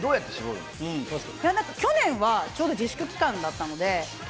去年はちょうど自粛期間だったので。